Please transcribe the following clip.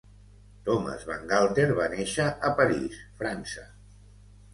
Thomas Bangalter va néixer a París, França.